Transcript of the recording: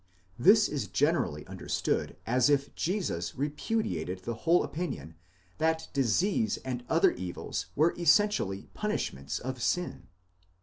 This is generally understood as if Jesus repudiated the whole opinion, that disease and other evils were essentially punishments of sin.